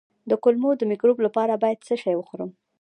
د کولمو د مکروب لپاره باید څه شی وخورم؟